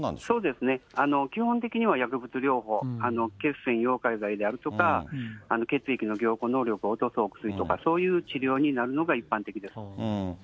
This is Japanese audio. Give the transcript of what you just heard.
そうですね、基本的には薬物療法、血栓溶解剤であるとか、血液の凝固を落とすお薬とか、そういう治療になるのが一般的です。